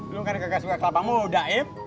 lo kan kagak suka kelapa muda im